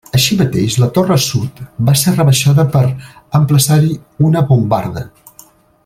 Així mateix, la torre sud va ser rebaixada per emplaçar-hi una bombarda.